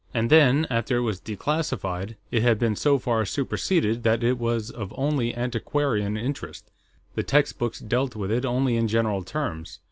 And then, after it was declassified, it had been so far superseded that it was of only antiquarian interest; the textbooks dealt with it only in general terms.